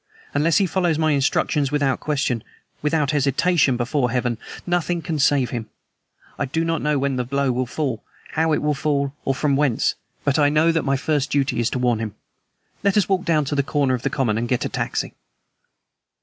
Unless he follows my instructions without question, without hesitation before Heaven, nothing can save him! I do not know when the blow will fall, how it will fall, nor from whence, but I know that my first duty is to warn him. Let us walk down to the corner of the common and get a taxi."